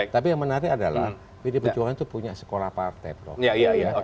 tapi yang menarik adalah pdi perjuangan itu punya sekolah partai prof